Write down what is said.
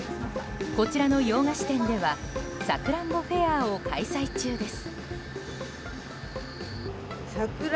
こちらの洋菓子店ではサクランボフェアを開催中です。